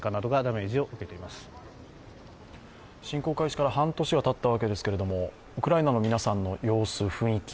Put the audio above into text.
ウクライナ侵攻から半年がたったわけですけれども、ウクライナの皆さんの様子、雰囲気